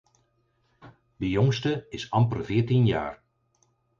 De jongste is amper veertien jaar.